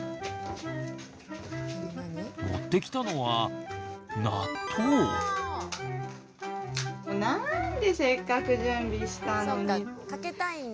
持ってきたのはなんでせっかく準備したのに。